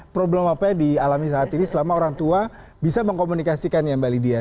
problem apa yang dialami saat ini selama orang tua bisa mengkomunikasikan ya mbak lydia